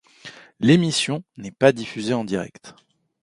L'émission n'est pas diffusée en direct.